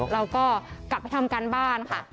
เราก็กลับไปทำการบ้านค่ะ